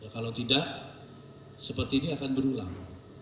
kalau tidak seperti ini akan berulang